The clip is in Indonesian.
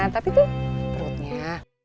tapi tuh perutnya